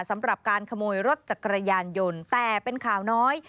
สำหรับการขโมยรถจักรยานยนต์แต่เป็นข่าวน้อย